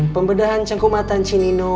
pembedahan cangkumatan si nino